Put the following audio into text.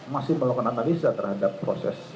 masih melakukan analisa terhadap proses